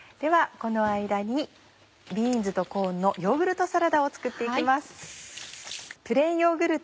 この間にビーンズとコーンのヨーグルトサラダを作って行きます。